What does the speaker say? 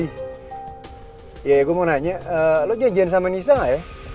iya gue mau nanya lo janjian sama nisa gak ya